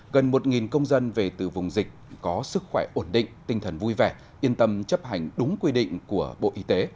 gần một công dân về từ vùng dịch có sức khỏe ổn định tinh thần vui vẻ yên tâm chấp hành đúng quy định của bộ y tế